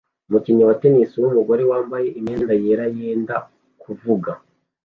umukinyi wa tennis wumugore wambaye imyenda yera yenda kuvuga